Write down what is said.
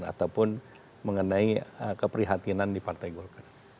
ataupun mengenai keprihatinan di partai golkar